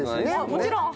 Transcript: もちろん。